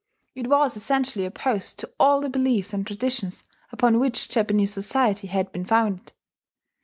It was essentially opposed to all the beliefs and traditions upon which Japanese society had been founded.